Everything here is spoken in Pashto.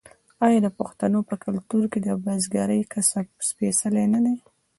آیا د پښتنو په کلتور کې د بزګرۍ کسب سپیڅلی نه دی؟